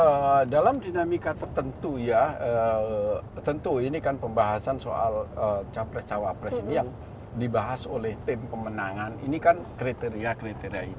ya dalam dinamika tertentu ya tentu ini kan pembahasan soal capres cawapres ini yang dibahas oleh tim pemenangan ini kan kriteria kriteria itu